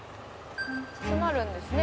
詰まるんですね